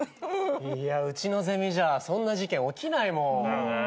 いやうちのゼミじゃそんな事件起きないもん。